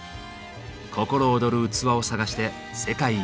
心躍る器を探して世界一周。